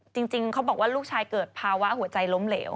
จริงเขาบอกว่าลูกชายเกิดภาวะหัวใจล้มเหลว